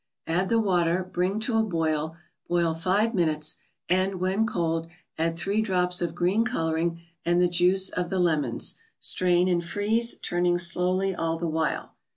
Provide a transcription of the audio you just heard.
Add the water, bring to a boil, boil five minutes, and, when cold, add three drops of green coloring and the juice of the lemons; strain and freeze, turning slowly all the while.